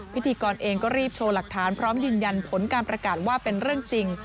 พิธีกรเองก็รีบโชว์หลักฐานพร้อมยืนยันผลการประกาศว่าเป็นเรื่องจริง